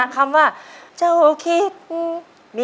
ขอบคุณใหม่